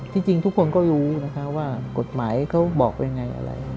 จริงทุกคนก็รู้นะคะว่ากฎหมายเขาบอกเป็นไงอะไร